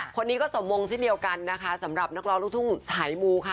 คนนี้ก็สมมงเช่นเดียวกันนะคะสำหรับนักร้องลูกทุ่งสายมูค่ะ